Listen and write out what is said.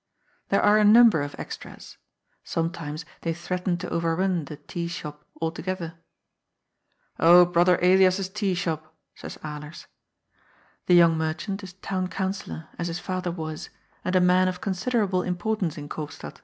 There are a number of extras. Sometimes they threaten to overrun the " teashop " altogether. " Oh, bother Elias's tea shop," says Alers. The young merchant is Town Councillor, as his father was, and a man of considerable importance in Koopstad.